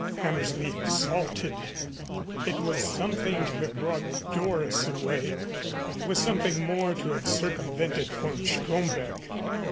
Hammersley exulted. It was something to have brought Doris away, but it was something more to have circumvented von Stromberg.